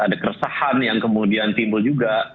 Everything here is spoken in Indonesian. ada keresahan yang kemudian timbul juga